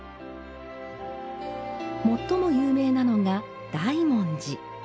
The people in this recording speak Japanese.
最も有名なのが「大文字」。